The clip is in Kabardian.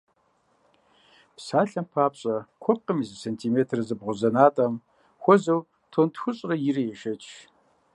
Псалъэм папщӏэ, куэпкъым и зы сантиметр зэбгъузэнатӏэм хуэзэу тонн тхущӏрэ ирэ ешэч!